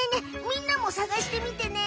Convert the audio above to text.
みんなもさがしてみてね！